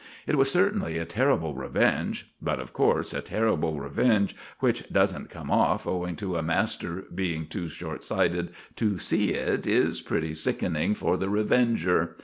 It was certainly a terrible revenge; but, of course, a terrible revenge which doesn't come off owing to a master being too shortsighted to see it is pretty sickening for the revenger.